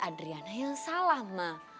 adriana yang salah ma